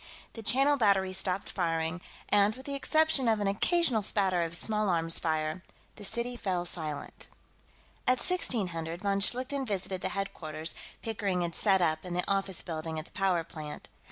The Channel Battery stopped firing, and, with the exception of an occasional spatter of small arms fire, the city fell silent. At 1600, von Schlichten visited the headquarters Pickering had set up in the office building at the power plant.